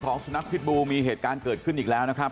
สุนัขพิษบูมีเหตุการณ์เกิดขึ้นอีกแล้วนะครับ